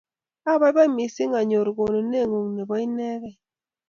Apaipai missing' anyor konuneng'ung' ne po inekey.